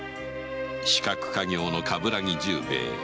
刺客稼業の鏑木十兵衛